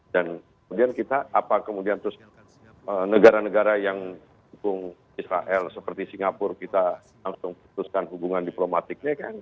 kemudian kita apa kemudian terus negara negara yang mendukung israel seperti singapura kita langsung putuskan hubungan diplomatiknya kan